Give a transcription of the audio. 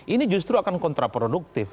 ini justru akan kontraproduktif